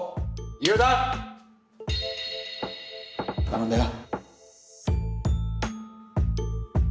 頼んだよ。